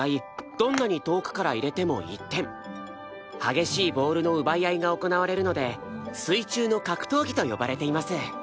激しいボールの奪い合いが行われるので水中の格闘技と呼ばれています。